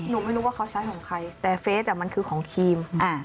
หนูไม่รู้ว่าเขาใช้ของใครแต่เฟสมันคือของครีม